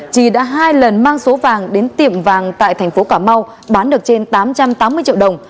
trì đã hai lần mang số vàng đến tiệm vàng tại thành phố cà mau bán được trên tám trăm tám mươi triệu đồng